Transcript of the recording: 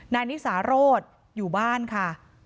นายนิสาโรธอยู่บ้านค่ะ